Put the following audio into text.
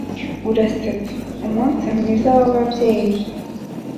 urasetsa umunsi mwiza w'ababyeyi!